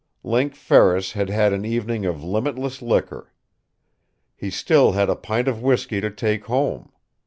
Link Ferris had had an evening of limitless liquor. He still had a pint of whisky to take home.